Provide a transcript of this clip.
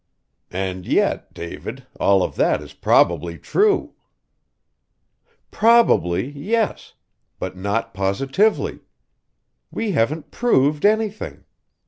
"And yet, David all of that is probably true." "Probably yes. But not positively. We haven't proved anything.